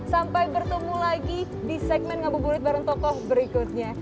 sampai bertemu lagi di segmen ngabuburit bareng tokoh berikutnya